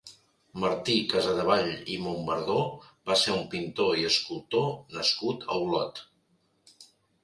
Martí Casadevall i Mombardó va ser un pintor i escultor nascut a Olot.